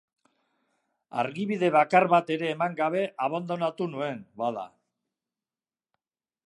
Argibide bakar bat ere eman gabe abandonatu nuen, bada.